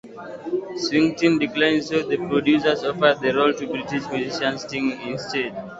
Springsteen declined so the producers offered the role to British musician Sting instead.